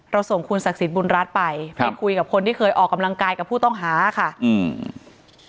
ส่งคุณศักดิ์สิทธิบุญรัฐไปไปคุยกับคนที่เคยออกกำลังกายกับผู้ต้องหาค่ะอืม